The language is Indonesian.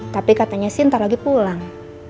tapi katanya si ntar lagi pulang